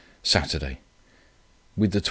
Saturday. With the 12s.